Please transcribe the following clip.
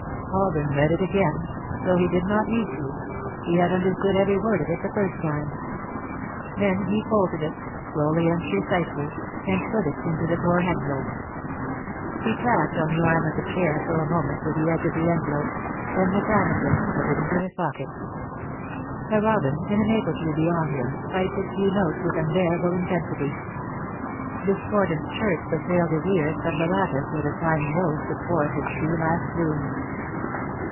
Alden read it again, though he did not need to he had understood every word of it the first time. Then he folded it, slowly and precisely, and put it into the torn envelope. He tapped on the arm of the chair for a moment with the edge of the envelope, then, mechanically, put it into his pocket. [Sidenote: Effect upon Alden] A robin, in a maple tree beyond him, piped his few notes with unbearable intensity. Discordant chirps assailed his ears from the lattice where the climbing rose put forth its few last blooms.